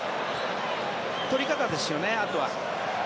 取り方ですよね、あとは。